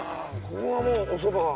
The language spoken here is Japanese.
ここがもうおそば？